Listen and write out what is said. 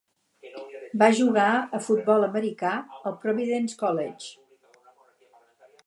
Va jugar a futbol americà al Providence College.